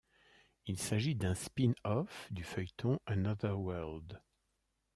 Il s'agit d'un spin-off du feuilleton Another World.